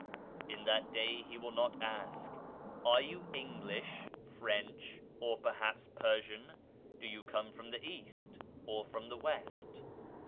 In that day He will not ask, " Are you English, French, or perhaps Persian ? Do you come from the East, or from the West